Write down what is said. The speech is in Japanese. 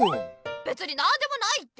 べつになんでもないって。